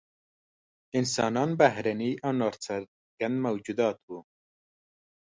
انسانان بهرني او نا څرګند موجودات وو.